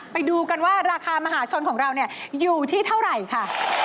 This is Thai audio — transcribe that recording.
ไปดูกันว่าราคามหาชนของเราเนี่ยอยู่ที่เท่าไหร่ค่ะ